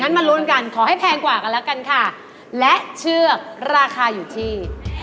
มาลุ้นกันขอให้แพงกว่ากันแล้วกันค่ะและเชือกราคาอยู่ที่